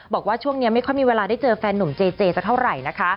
บอกว่าช่วงนี้ไม่ค่อยมีเวลาได้เจอแฟนหนุ่มเจเจสักเท่าไหร่นะคะ